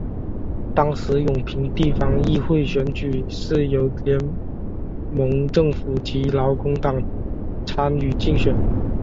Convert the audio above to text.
当时永平地方议会选举是由联盟政府及劳工党参与竞选。